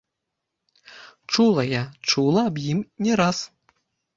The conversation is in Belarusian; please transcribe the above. Чула я, чула аб ім не раз.